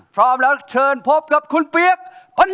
พร้อมแล้วเชิญพบกับคุณเปี๊ยก